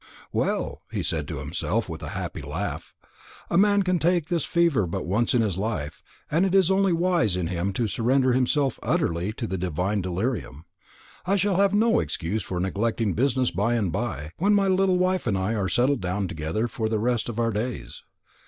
"Well," he said to himself, with a happy laugh, "a man can take this fever but once in his life, and it is only wise in him to surrender himself utterly to the divine delirium. I shall have no excuse for neglecting business by and by, when my little wife and I are settled down together for the rest of our days.